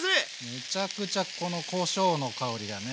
めちゃくちゃこのこしょうの香りがね。